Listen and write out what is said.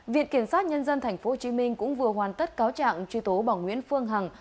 viện kiểm soát nhân dân tp hồ chí minh cũng vừa hoàn tất cáo trạng truy tố bảo nguyễn phương hằng